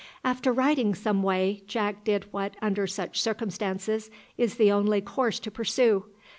After riding some way, Jack did what under such circumstances is the only course to pursue.